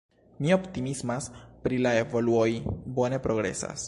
Mi optimismas pri la evoluoj, bone progresas.